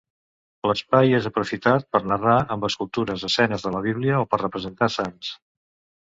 L'espai és aprofitat per narrar amb escultures escenes de la bíblia o per representar sants.